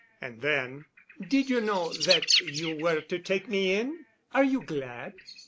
And then, "Did you know that you were to take me in? Are you glad?"